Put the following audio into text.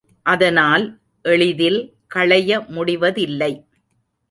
அதனால் எளிதில் களைய முடிவதில்லை.